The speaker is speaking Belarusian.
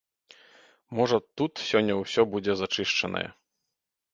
Можа, тут сёння ўсё будзе зачышчанае.